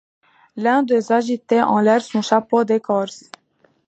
L’un d’eux agitait en l’air son chapeau d’écorce.